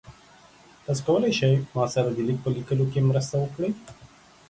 تاسو کولی شئ ما سره د لیک په لیکلو کې مرسته وکړئ؟